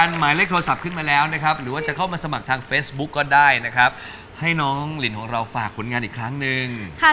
อยากจะมาร่วมแข่งขันแบบนี้นะฮะ